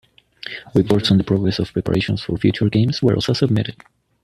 Reports on the progress of preparations for future Games were also submitted.